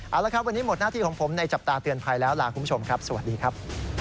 เอาละครับวันนี้หมดหน้าที่ของผมในจับตาเตือนภัยแล้วลาคุณผู้ชมครับสวัสดีครับ